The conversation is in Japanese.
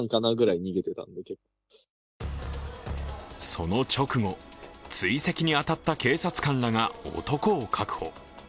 その直後、追跡に当たった警察官らが男を確保。